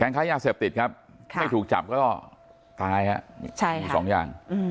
แค้นค้ายาเสพติดครับค่ะไม่ถูกจับก็ตายฮะใช่ค่ะสองยา